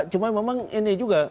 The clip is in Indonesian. cuma memang ini juga